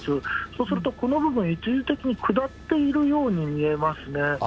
そうすると、この部分、一時的に下っているように見えますね。